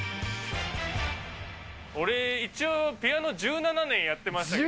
俺一応、ピアノ１７年やってましたけど。